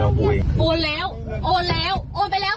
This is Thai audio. อ้าวดูดิพระละท้อนเนี่ย